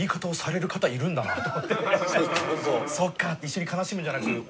「そっか」って一緒に悲しむんじゃなく。